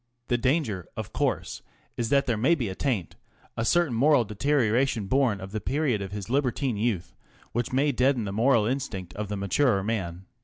The danger of course is that there may be a taint, a certain moral deterioration born of the period of his libertine youth which may deaden the moral instinct of the maturer man.